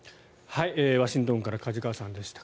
ワシントンから梶川さんでした。